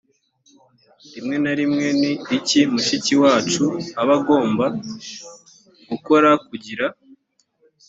rimwe na rimwe ni iki mushiki wacu aba agomba gukora kugira